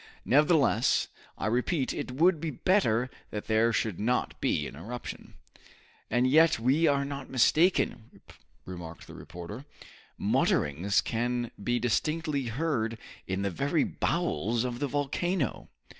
Nevertheless, I repeat, it would be better that there should not be an eruption." "And yet we are not mistaken," remarked the reporter. "Mutterings can be distinctly heard in the very bowels of the volcano!"